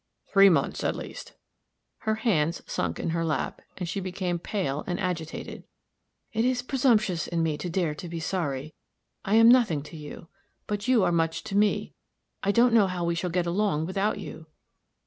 "Three months, at least." Her hands sunk in her lap, and she became pale and agitated. "It is presumptuous in me to dare to be sorry; I am nothing to you; but you are much to me. I don't know how we shall get along without you."